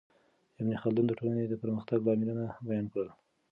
ابن خلدون د ټولنې د پرمختګ لاملونه بیان کړل.